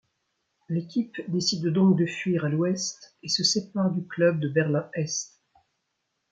L'équipe décide donc de fuir à l'Ouest et se sépare du club de Berlin-Est.